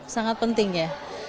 sangat penting ya